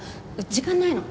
時間ないの。